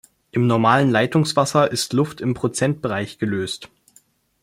Im normalen Leitungswasser ist Luft im Prozentbereich gelöst.